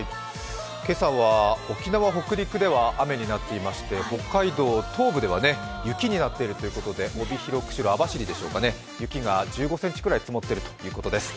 今朝は、沖縄北陸では雨になっていまして、北海道東部では雪になっているということで帯広、釧路、網走でしょうか雪が１５ｃｍくらい積もっているということです。